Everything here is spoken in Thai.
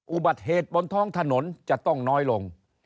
อุบัติเหตุบนท้องถนนจะต้องน้อยลง